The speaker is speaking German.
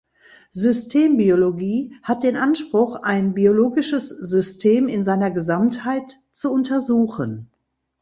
Systembiologie hat den Anspruch ein biologisches System in seiner Gesamtheit zu untersuchen.